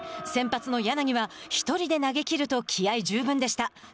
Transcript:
先発の柳は１人で投げきると気合い十分でした。